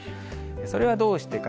それはどうしてか。